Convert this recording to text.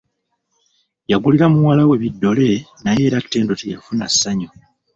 Yagulira muwala we biddole naye era Ttendo teyafuna ssayu.